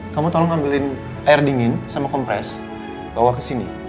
kamu tolong ngambilin air dingin sama kompres bawa ke sini